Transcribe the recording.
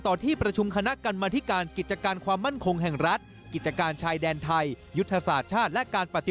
ต่อที่ประชุมคณะกรรมาธิการกิจการความมั่นคงแห่งรัฐ